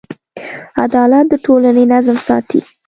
عدالت د ټولنې نظم ساتي.